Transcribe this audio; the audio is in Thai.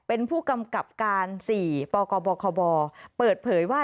เป็นผู้กำกับการ๔ปกบคบเปิดเผยว่า